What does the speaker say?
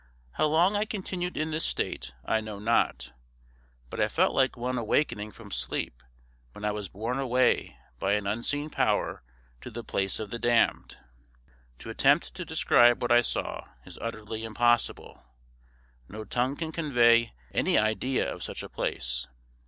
How long I continued in this state I know not, but I felt like one awakening from sleep when I was borne away by an unseen power to the place of the damned. To attempt to describe what I saw is utterly impossible: no tongue can convey any idea of such a place.